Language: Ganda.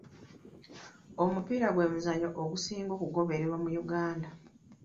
Omupiira gwe muzannyo ogusinga okugobererwa mu Uganda.